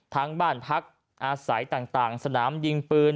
ทั้งบ้านพักอาศัยต่างสนามยิงปืน